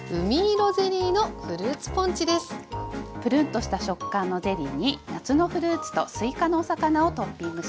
プルンとした食感のゼリーに夏のフルーツとすいかのお魚をトッピングします。